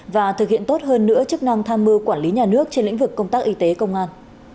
và thực hiện tốt hơn nữa chức năng tham mưu quản lý nhà nước trên lĩnh vực công tác y tế công an